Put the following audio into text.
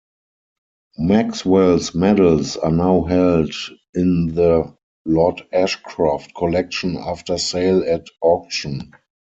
Maxwell's medals are now held in the Lord Ashcroft collection after sale at auction.